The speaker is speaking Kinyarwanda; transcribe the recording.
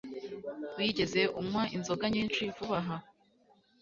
Wigeze unywa inzoga nyinshi vuba aha?